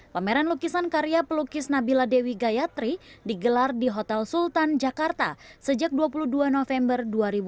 pameran lukisan karya pelukis nabila dewi gayatri digelar di hotel sultan jakarta sejak dua puluh dua november dua ribu dua puluh